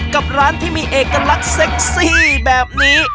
กับร้านที่มีเอกลักษณ์เซ็กซี่แบบนี้